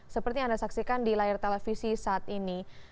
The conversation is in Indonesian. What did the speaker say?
seperti yang anda saksikan di layar televisi saat ini